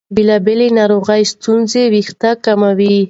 بېلابېلې روغتیايي ستونزې وېښتې کموي.